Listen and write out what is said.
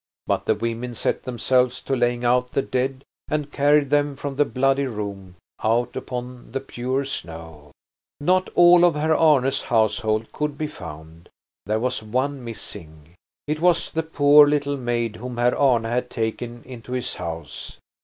But the women set themselves to laying out the dead and carried them from the bloody room out upon the pure snow. Not all of Herr Arne's household could be found; there was one missing. It was the poor little maid whom Herr Arne had taken into his house.